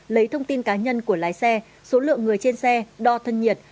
lấy thông tin cá nhân của lái xe số lượng người trên xe đo thân nhiệt